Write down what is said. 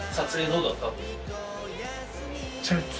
どうだった？